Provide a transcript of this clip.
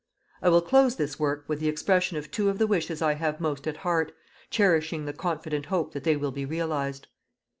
I will close this work with the expression of two of the wishes I have most at heart, cherishing the confident hope that they will be realized.